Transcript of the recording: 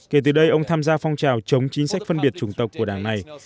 kể từ đây ông tham gia phong trào chống chính sách phân biệt chủng tộc của đảng này